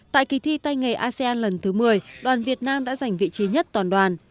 tại kỳ thi tay nghề asean lần thứ một mươi đoàn việt nam đã giành vị trí nhất toàn đoàn